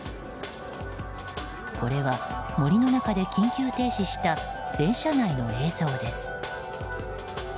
これは、森の中で緊急停止した電車内の映像です。